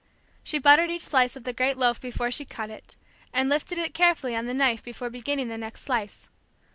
She buttered each slice of the great loaf before she cut it, and lifted it carefully on the knife before beginning the next slice.